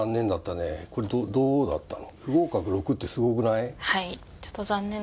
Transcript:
これどうだったの？